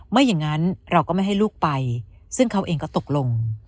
ไม่อย่างนั้นเราก็ไม่ให้ลูกไปซึ่งเขาเองก็ตกลง